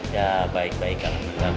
ya baik baik kalian bisa baik